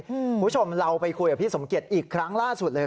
คุณผู้ชมเราไปคุยกับพี่สมเกียจอีกครั้งล่าสุดเลย